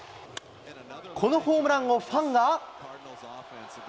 このホームランをファンが。